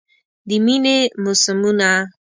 د میینې موسمونه